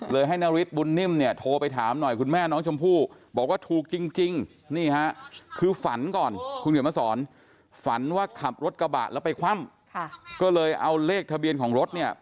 เลยให้นริษร์บุนนิมเนี่ย